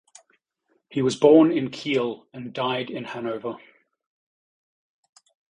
He was born in Kiel and died in Hanover.